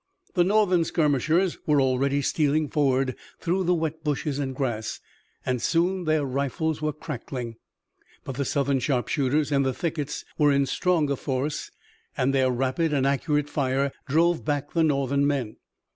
The Northern skirmishers were already stealing forward through the wet bushes and grass, and soon their rifles were crackling. But the Southern sharpshooters in the thickets were in stronger force, and their rapid and accurate fire drove back the Northern men.